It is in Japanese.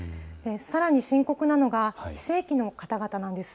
さらに深刻なのが非正規の方々です。